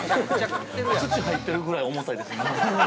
◆土入ってるぐらい重たいです。